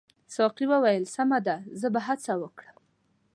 ساقي وویل سمه ده زه به هڅه وکړم.